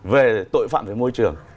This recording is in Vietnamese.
về tội phạm về môi trường